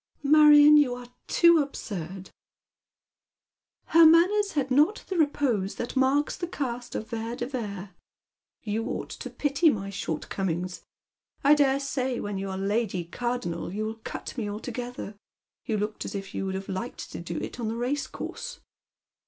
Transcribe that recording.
" Marion, you are too absurd !""' Her manners had not the repose that marks the cast of Vere de Vere.' You ought to pity my shortcomings. I dare say when you are Lady Cardonnel you will cut me altogether. You looked as if you would have hked to do it on the racecourse."